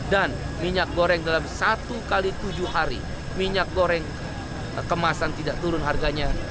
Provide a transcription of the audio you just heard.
dan minyak goreng dalam satu x tujuh hari minyak goreng kemasan tidak turun harganya